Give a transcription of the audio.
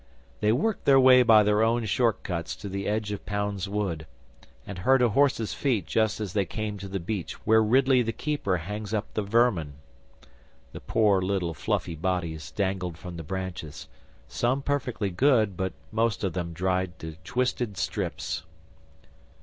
They worked their way by their own short cuts to the edge of Pound's Wood, and heard a horse's feet just as they came to the beech where Ridley the keeper hangs up the vermin. The poor little fluffy bodies dangled from the branches some perfectly good, but most of them dried to twisted strips.